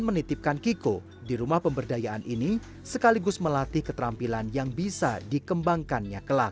menitipkan kiko di rumah pemberdayaan ini sekaligus melatih keterampilan yang bisa dikembangkannya kelak